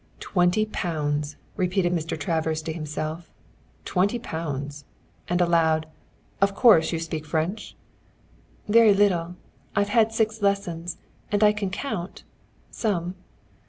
"Twenty pounds!" repeated Mr. Travers to himself. "Twenty pounds!" And aloud: "Of course you speak French?" "Very little. I've had six lessons, and I can count some."